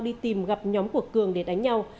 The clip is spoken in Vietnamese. đi tìm gặp nhóm của cường để đánh nhau